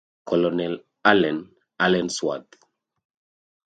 Colonel Allen Allensworth.